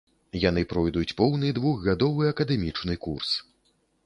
Яны пройдуць поўны двухгадовы акадэмічны курс.